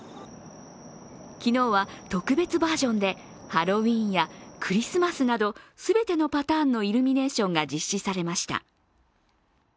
昨日は特別バージョンでハロウィーンやクリスマスなど、全てのパターンのイルミネーションが実施されました。